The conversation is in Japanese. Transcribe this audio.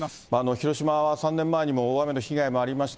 広島は３年前にも大雨の被害もありました。